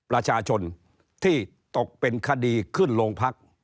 ประชาชนที่ตกเป็นคดีขึ้นโรงพัก